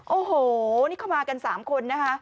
โอ้โหนี่เข้ามากัน๓คนนะคะ